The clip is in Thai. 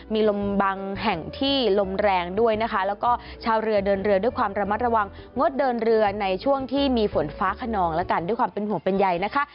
มีลมบางแห่งที่ลมแรงด้วยนะคะแล้วก็ชาวเรือเดินเรือด้วยความระมัดระวังงดเดินเรือในช่วงที่มีฝนฟ้าขนองแล้วกันด้วยความเป็นห่วงเป็นใยนะคะ